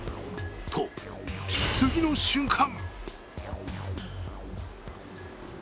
と、次の瞬間。